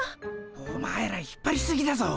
お前ら引っぱりすぎだぞ。